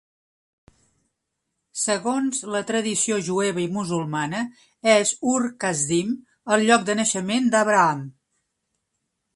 Segons la tradició jueva i musulmana, és Ur Kasdim, el lloc de naixement d'Abraham.